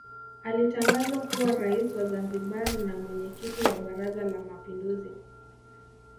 Alitangazwa kuwa Rais wa Zanzibar na Mwenyekiti wa Baraza la Mapinduzi